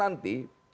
emang itu tidak baik